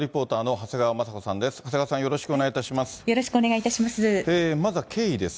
長谷川さん、よろしくお願いいたします。